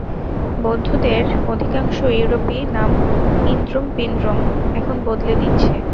বৌদ্ধদের অধিকাংশ ইউরোপী নাম ইন্দ্রম-পিন্দ্রম এখন বদলে নিচ্ছে।